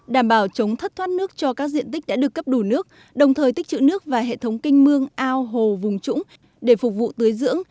đảm bảo chống thất thoát nước cho các diện tích đã được cấp đủ nước đồng thời tích chữ nước và hệ thống kinh mương ao hồ vùng trũng để phục vụ tưới dưỡng